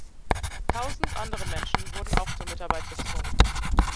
Tausend andere Menschen werden auch zur Mitarbeit gezwungen.